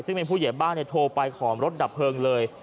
ซึ่งเป็นผู้เหยียบบ้านโทรไปขอรถดับเพลิงเลย